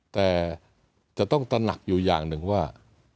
แต่จะต้องตระหนักอยู่อย่างหนึ่งว่า